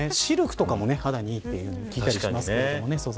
シルクとかも肌にいいという気がしますけどね。